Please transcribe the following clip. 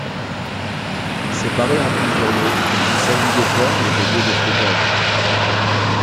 Séparée en plusieurs lot, elles ont servi de ferme et de lieu de stockage.